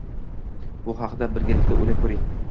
bu haqida birgalikda o‘ylab ko‘ring.